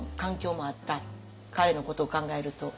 彼のことを考えると。